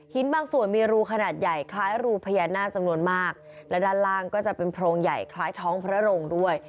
บางส่วนมีรูขนาดใหญ่คล้ายรูพญานาคจำนวนมากและด้านล่างก็จะเป็นโพรงใหญ่คล้ายท้องพระโรงด้วย